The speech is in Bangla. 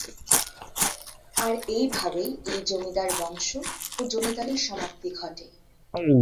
আর এইভাবেই এই জমিদার বংশ ও জমিদারীর সমাপ্তি ঘটে।।